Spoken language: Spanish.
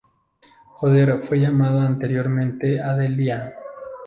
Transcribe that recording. Joder fue llamado anteriormente Adelia.